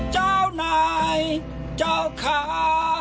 เจ้านายเจ้าขา